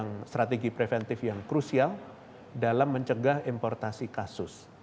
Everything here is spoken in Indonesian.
dan ada tiga strategi preventif yang krusial dalam mencegah importasi kasus